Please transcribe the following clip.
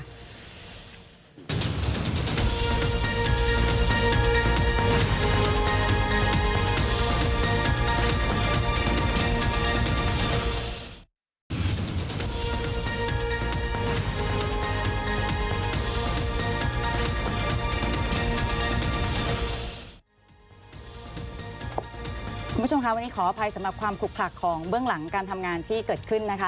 คุณผู้ชมค่ะวันนี้ขออภัยสำหรับความขลุกขลักของเบื้องหลังการทำงานที่เกิดขึ้นนะคะ